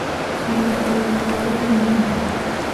funga umunwa wawe munini